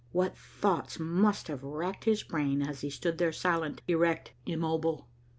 What thoughts must have racked his brain as he stood there silent, erect, immobile!